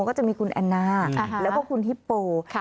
ก็จะมีคุณแอนนาแล้วก็คุณฮิปโป